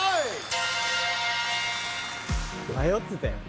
迷ってたよ